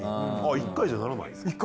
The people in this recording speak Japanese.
１回じゃならないんですか？